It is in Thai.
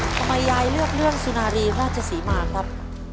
ทำไมยายเลือกเรื่องสุนารีราชศรีมาครับ